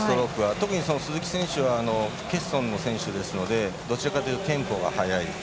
特に鈴木選手は欠損の選手ですのでどちらかというとテンポが速い。